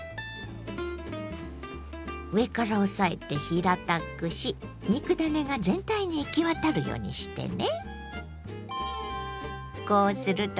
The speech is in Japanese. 上から押さえて平たくし肉ダネが全体に行き渡るようにしてね。